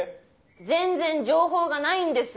全然情報がないんです